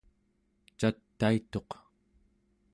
cataituq